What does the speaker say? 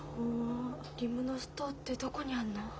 リムノス島ってどこにあんの？